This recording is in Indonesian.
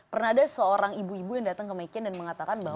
pernah ada seorang ibu ibu yang datang ke mccain dan mengatakan bahwa